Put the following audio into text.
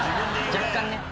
若干ね。